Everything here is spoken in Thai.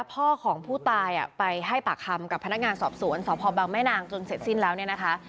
พ่อของผู้ตายไปให้ปากคำกับพนักงานสอบสวนสพบังแม่นางจนเสร็จสิ้นแล้วเนี่ยนะคะ